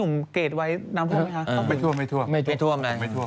ไม่ท่วม